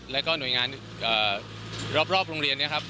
แล้วก็หน่วยงานเอ่อรอบรอบโรงเรียนนะครับ